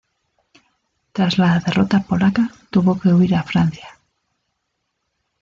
Tras la derrota polaca tuvo que huir a Francia.